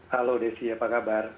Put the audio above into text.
halo desi apa kabar